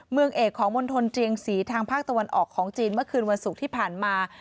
เมืองเอกของมณฑลเจียงศรีทางภาคตะวันออกของจีนเมื่อคืนวันศุกร์ที่ผ่านมา